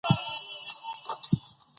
افغانستان کې د کلتور د پرمختګ هڅې روانې دي.